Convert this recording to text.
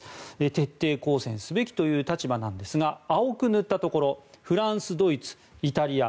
徹底抗戦すべきという立場なんですが青く塗ったところフランス、ドイツ、イタリア。